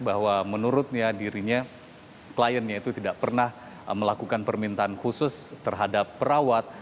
bahwa menurutnya dirinya kliennya itu tidak pernah melakukan permintaan khusus terhadap perawat